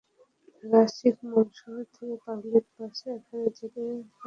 Nagasaki মূল শহর থেকে পাবলিক বাসে করে এখানে যেতে পারেন খুব সহজেই।